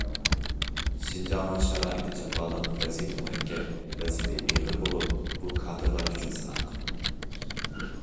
شىنجاڭنىڭ شارائىتى جاپالىق، ۋەزىيىتى مۇرەككەپ، ۋەزىپە ئېغىر بولۇپ، بۇ كادىرلار ئۈچۈن سىناق.